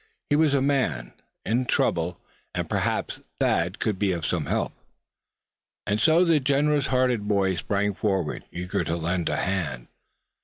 He was a man, and in trouble; and perhaps Thad could be of some help! And so the generous hearted boy sprang forward, eager to lend a hand.